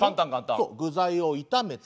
そう具材を炒めて。